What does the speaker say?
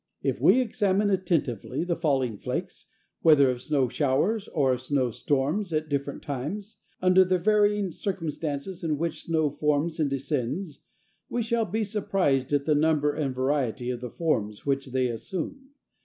If we examine attentively the falling flakes, whether of snow showers or of snow storms, at different times, under the varying circumstances in which snow forms and descends, we shall be surprised at the number and variety of the forms which they assume.